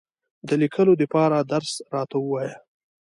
د لیکلو دپاره درس راته ووایه !